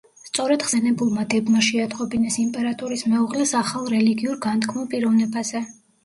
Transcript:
სწორედ ხსენებულმა დებმა შეატყობინეს იმპერატორის მეუღლეს ახალ რელიგიურ განთქმულ პიროვნებაზე.